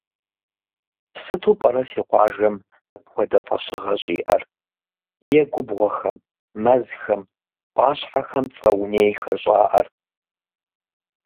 Сыту пӏэрэ си къуажэм мыпхуэдэ фӏэщыгъэ щӏиӏэр е губгъуэхэм, мэзхэм, ӏуащхьэхэм цӏэ унейхэр щӏаӏэр?